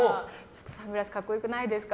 サングラス格好良くないですか？